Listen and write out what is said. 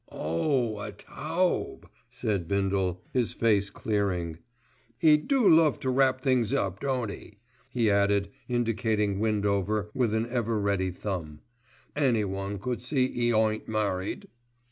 "Oh! a tawb," said Bindle, his face clearing. "'E do love to wrap things up, don't 'e?" he added, indicating Windover with an ever ready thumb. "Anyone could see 'e ain't married."